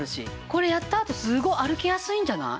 これやったあとすごい歩きやすいんじゃない？